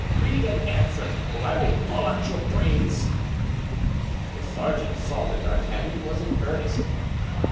Read and answer, or I will blow out your brains!" The sergeant saw that D'Artagnan was in earnest.